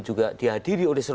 juga dihadiri oleh